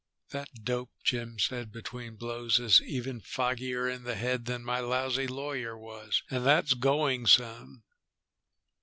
"That dope," Jim said between blows, "is even foggier in the head than my lousy lawyer was, and that's going some."